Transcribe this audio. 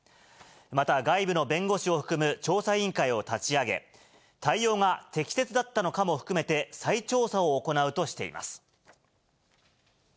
また外部の弁護士を含む調査委員会を立ち上げ、対応が適切だったのかも含めて再調査を行うとしています。